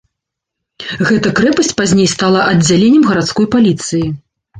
Гэта крэпасць пазней стала аддзяленнем гарадской паліцыі.